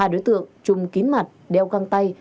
hai đối tượng trung kín mặt đeo găng tay